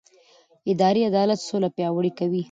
اداري عدالت سوله پیاوړې کوي